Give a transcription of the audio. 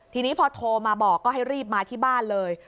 ทีนี้พอโทรมาบอกก็ให้รีบมาที่บ้านเลย